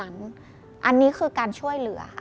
อันนี้คือการช่วยเหลือ